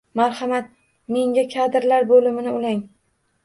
Marhamat, menga kadrlar bo’limini ulang.